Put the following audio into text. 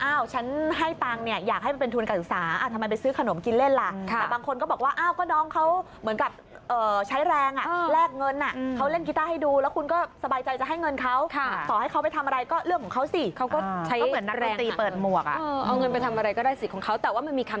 อ้าวฉันให้ตังอยากให้มันเป็นทุนการศึกษาทำไมไปซื้อขนมกินเล่นน่ะ